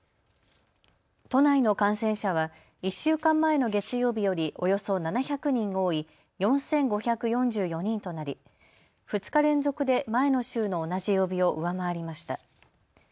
都内の感染者は１週間前の月曜日よりおよそ７００人多い４５４４人となり２日連続で前の週の同じ曜日を上回りました。